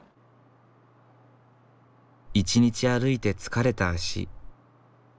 １日歩いて疲れた足。